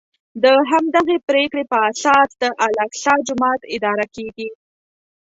د همدغې پرېکړې په اساس د الاقصی جومات اداره کېږي.